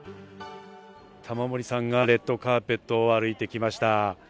玉森さんがレッドカーペットを歩いてきました。